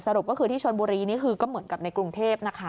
รุปก็คือที่ชนบุรีนี่คือก็เหมือนกับในกรุงเทพนะคะ